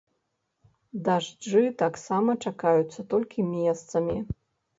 Дажджы таксама чакаюцца толькі месцамі.